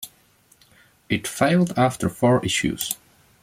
It failed after four issues.